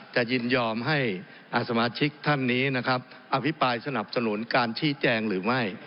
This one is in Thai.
ยินยอมให้สมาชิกท่านนี้นะครับอภิปรายสนับสนุนการชี้แจงหรือไม่